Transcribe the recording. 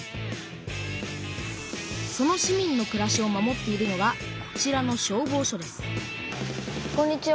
その市民のくらしを守っているのがこちらの消防しょですこんにちは。